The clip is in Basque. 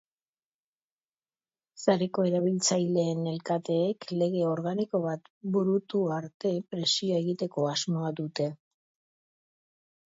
Sareko erabiltzaileen elkateek lege organiko bat burutu arte presioa egiteko asmoa dute.